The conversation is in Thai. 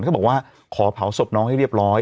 เขาบอกว่าขอเผาศพน้องให้เรียบร้อย